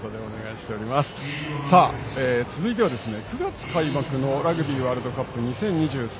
続いては、９月開幕のラグビーワールドカップ２０２３